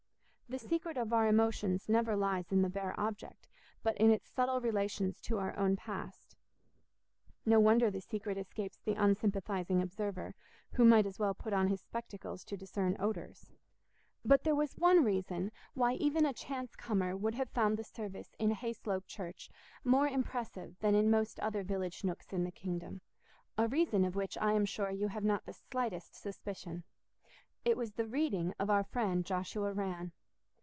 The secret of our emotions never lies in the bare object, but in its subtle relations to our own past: no wonder the secret escapes the unsympathizing observer, who might as well put on his spectacles to discern odours. But there was one reason why even a chance comer would have found the service in Hayslope Church more impressive than in most other village nooks in the kingdom—a reason of which I am sure you have not the slightest suspicion. It was the reading of our friend Joshua Rann.